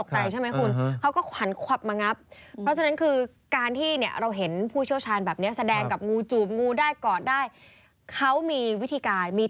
สมมุติโชว์อะไรก็ตามที่ให้เราลงไปเล่นด้วย